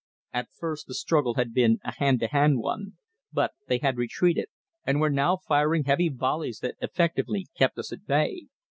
At first the struggle had been a hand to hand one, but they had retreated, and were now firing heavy volleys that effectively kept us at bay.